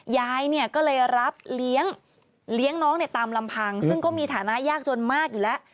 ยายเนี่ยก็เลยรับเลี้ยงน้องเนี่ยตามลำพังซึ่งก็มีฐานะยากจนมากอยู่แล้ว